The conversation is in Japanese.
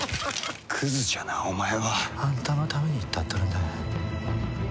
クズじゃなお前は。あんたのために言ったっとるんだがや。